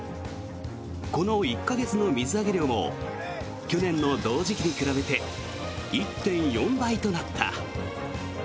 この１か月の水揚げ量も去年の同時期に比べて１．４倍となった。